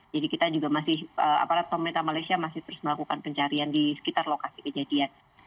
jadi kita juga masih aparat peminta malaysia masih terus melakukan pencarian di sekitar lokasi kejadian